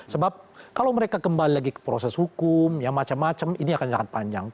sebab kalau mereka kembali lagi ke proses hukum yang macam macam ini akan sangat panjang